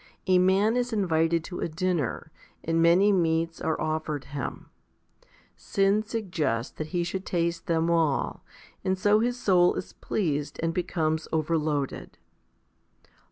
A man is invited to a dinner, and many meats are offered him ; sin suggests that he should taste them all, and so his soul is pleased and becomes overloaded.